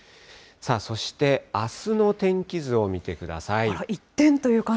そしてあすの天気図を見てください。